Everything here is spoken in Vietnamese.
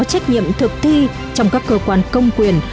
trách nhiệm thực thi trong các cơ quan công quyền